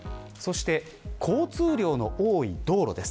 交通量の多い道路です。